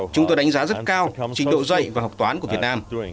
chúng tôi đánh giá rất cao trình độ dạy và học toán của việt nam